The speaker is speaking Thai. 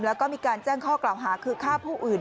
แล้วก็มีการแจ้งข้อกล่าวหาคือ